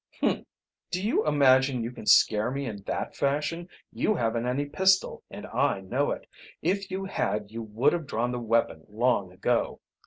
"Humph! Do you imagine you can scare me in that fashion? You haven't any pistol, and I know it. If you had you would have drawn the weapon long ago."